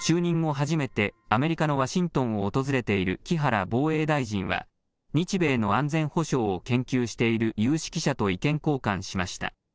初めてアメリカのワシントンを訪れている木原防衛大臣は日米の安全保障を研究している有識者と意見交換しました。